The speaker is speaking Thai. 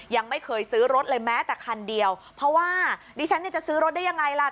ยังไม่เคยซื้อรถเลยแม้แต่คันเดียวเพราะว่าดิฉันเนี่ยจะซื้อรถได้ยังไงล่ะ